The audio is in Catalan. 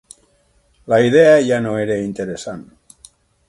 La idea ja no era interessant.